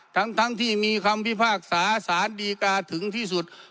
ทั้งที่มีคำพิพากษาสารดีกาถึงที่สุด